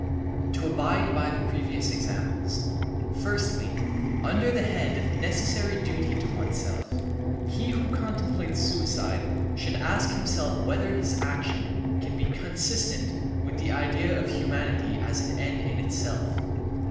To abide by the previous examples: Firstly, under the head of necessary duty to oneself: He who contemplates suicide should ask himself whether his action can be consistent with the idea of humanity as an end in itself.